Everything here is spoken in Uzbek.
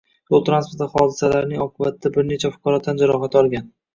yo´l transport hodisasilar oqibatida bir necha fuqaro tan jarohati olgan